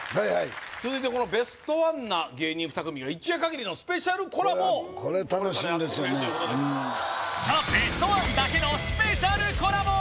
続いてベストワンな芸人２組の一夜限りのスペシャルコラボをこれ楽しみですよねザ・ベストワンだけのスペシャルコラボ